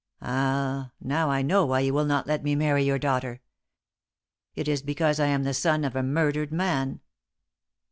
Ah! Now I know why you will not let me marry your daughter. It is because I am the son of a murdered man!"